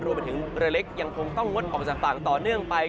รวมไปถึงเรือเล็กยังคงต้องงดออกจากฝั่งต่อเนื่องไป